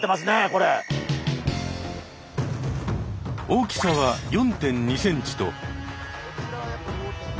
大きさは４．２ｃｍと５．５ｃｍ。